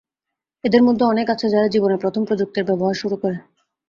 এদের মধ্যে অনেকে আছে, যারা জীবনে প্রথম প্রযুক্তির ব্যবহার শুরু করে।